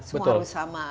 semua harus sama